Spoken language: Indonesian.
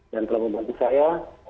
dan telah membantu saya